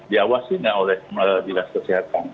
diawasi tidak oleh jelas kesehatan